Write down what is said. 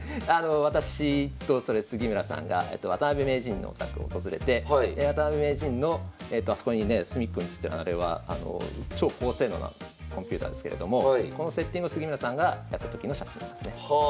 私と杉村さんが渡辺名人のお宅を訪れてで渡辺名人のあそこにね隅っこに写ってるあれは超高性能なコンピューターですけれどもこのセッティングを杉村さんがやった時の写真ですね。